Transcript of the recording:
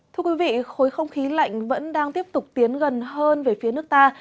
thưa quý vị khối không khí lạnh vẫn đang tiếp tục tiến gần hơn về phía nước ta